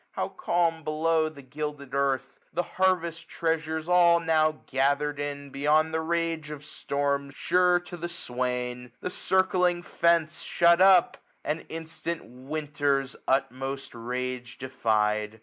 how calm below The gilded earth ! the harvest treasures all 1215 . Now gathered in, beyond the rage of storms. Sure to the swain; the circling fence shut up j And instant Winter's utmost rage defy*d.